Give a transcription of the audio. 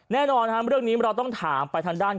แน่นอนครับเรื่องนี้เราต้องถามไปทางด้าน